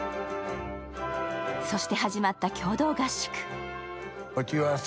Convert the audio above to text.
そして始まった共同合宿。